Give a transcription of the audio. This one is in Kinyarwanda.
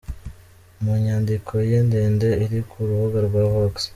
Mu nyandiko ye ndende iri ku rubuga rwa Vox.